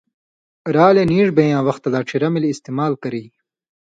رال نیژ بے یاں وختہ لا ڇھیرہ ملی استعمال کری۔